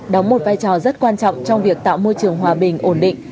đóng một vai trò rất quan trọng trong việc tạo môi trường hòa bình ổn định